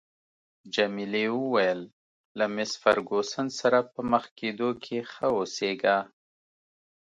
جميلې وويل: له مېس فرګوسن سره په مخ کېدو کې ښه اوسیږه.